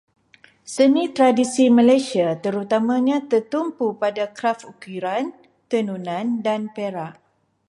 Seni tradisi Malaysia terutamanya tertumpu pada kraf ukiran, tenunan, dan perak.